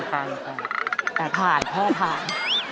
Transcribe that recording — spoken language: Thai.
แต่ผ่านพ่อผ่าน